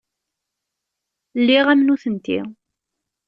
Lliɣ am nutenti.